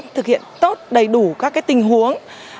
thực hiện tốt đầy đủ các tình huống